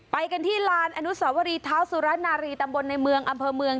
ไปกันที่ลานอนุสวรีเท้าสุรนารีตำบลในเมืองอำเภอเมือง